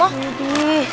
oh ini di